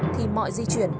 thì mọi di chuyển